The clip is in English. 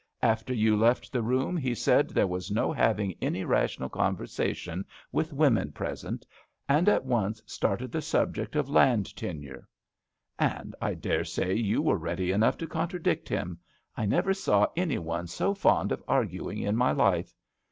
After you left the room he said there was no having any rational conversatioh with women present, and at once started the subject of land tenure." "And I dare say you were ready enough to contradict him. I never saw any one so fond of arguing in my life.